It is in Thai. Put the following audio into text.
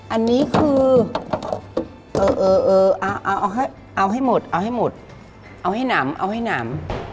อันนี้คือเอาให้หมดเอาให้หนำ